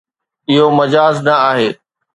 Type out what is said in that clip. اهو مجاز نه آهي